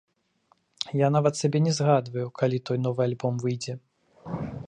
Я нават сабе не загадваю, калі той новы альбом выйдзе.